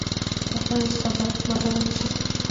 که غواړې چې سربډاله نه شې.